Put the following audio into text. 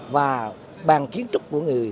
và bàn kiến trúc của người